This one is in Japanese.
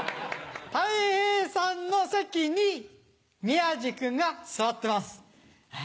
たい平さんの席に宮治君が座ってます。